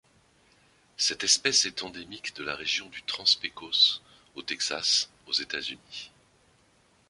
Cette espèce est endémique de la région du Trans-Pecos au Texas aux États-Unis.